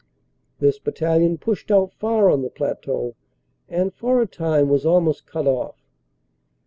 This battalion pushed out far on the plateau and for a time was almost cut off.